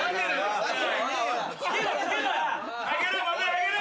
上げろ。